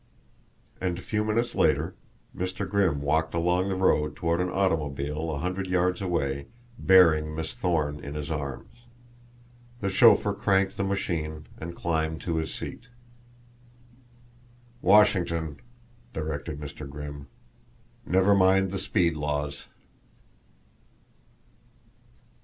And a few minutes later Mr. Grimm walked along the road toward an automobile a hundred yards away, bearing Miss Thorne in his arms. The chauffeur cranked the machine and climbed to his seat. "Washington!" directed Mr. Grimm. "Never mind the speed laws."